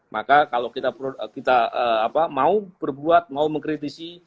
maka kalau kita mau berbuat mau mengkritisi